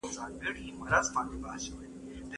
خدای راکړې هره ورځ تازه هوا وه